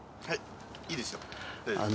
はいいいですよ。